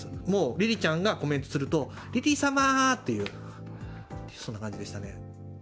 りりちゃんがコメントすると、もうりり様ーっていう、そんな感じでしたね。